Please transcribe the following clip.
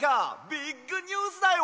ビッグニュースだよ！